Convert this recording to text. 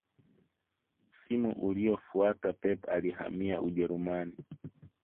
msimu uliyofuata pep alihamia ujerumani